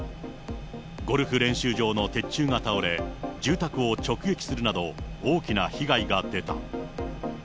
ゴルフ練習場の鉄柱が倒れ、住宅を直撃するなど、大きな被害が出た。